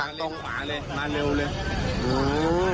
ตรงขวาเลยมาเร็วเลยอืม